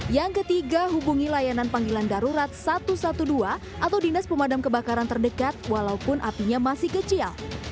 yang ketiga hubungi layanan panggilan darurat satu ratus dua belas atau dinas pemadam kebakaran terdekat walaupun apinya masih kecil